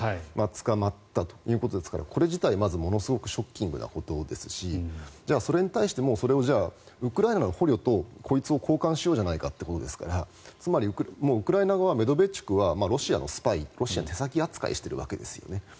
捕まったということですからこれ自体、ものすごくショッキングなことですしじゃあそれに対してウクライナの捕虜とこいつを交換しようじゃないかということですからつまり、ウクライナ側はメドベチュクはロシアのスパイロシアの手先扱いしているわけですよね。